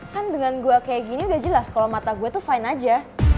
kan dengan gue kayak gini udah jelas kalau mata gue tuh fine aja